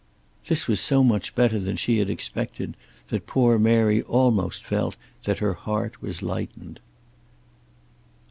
This was so much better than she had expected that poor Mary almost felt that her heart was lightened.